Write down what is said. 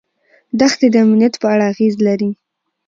دښتې د امنیت په اړه اغېز لري.